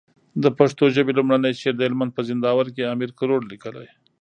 د پښتو ژبي لومړنی شعر د هلمند په زينداور کي امير کروړ ليکلی